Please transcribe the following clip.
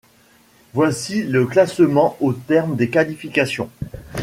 Voici le classement au terme des qualifications.